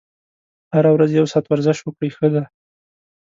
هره ورځ یو ساعت ورزش وکړئ ښه ده.